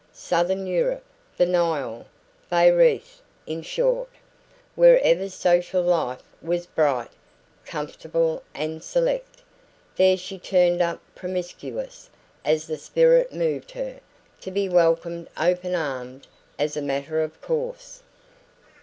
Southern Europe, the Nile, Bayreuth in short, wherever social life was bright, comfortable and select, there she turned up promiscuous, as the spirit moved her, to be welcomed open armed as a matter of course.